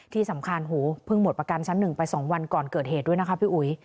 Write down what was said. ที่สำคัญหูเพิ่งหมดประกันชั้น๑ไป๒วันก่อนเกิดเหตุด้วยนะคะพี่อุ๋ย